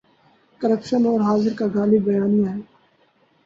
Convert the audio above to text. Corruption دور حاضر کا غالب بیانیہ ہے۔